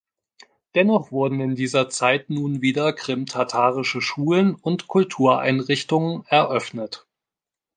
Dennoch wurden in dieser Zeit nun wieder krimtatarische Schulen und Kultureinrichtungen eröffnet.